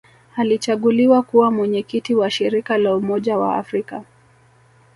Alichaguliwa kuwa Mwenyekiti wa Shirika la Umoja wa Afrika